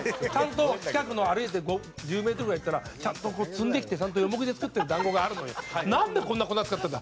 近くの歩いて１０メートルぐらい行ったらちゃんと摘んできてよもぎで作ってる団子があるのになんでこんな粉使ってんだ！